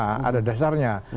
karena ada dasarnya